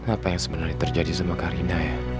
apa yang sebenarnya terjadi sama karina ya